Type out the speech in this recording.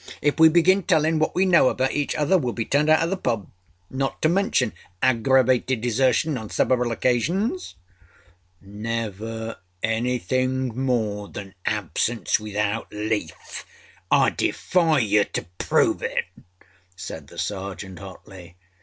If we begin tellinâ what we know about each other weâll be turned out of the pub. Not to mention aggravated desertion on several occasionsâââ âNever anything more than absence without leafâI defy you to prove it,â said the Sergeant hotly.